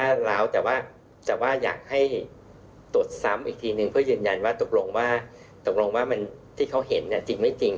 ตรวจซ้ำอีกทีหนึ่งเพื่อยืนยันว่าตกลงว่ามันที่เขาเห็นจริงไม่จริง